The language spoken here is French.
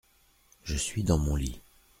Je suis dans mon lit…